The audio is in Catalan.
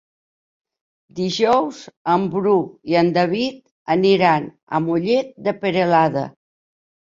Dijous en Bru i en David aniran a Mollet de Peralada.